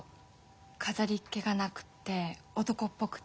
飾りっ気がなくって男っぽくって。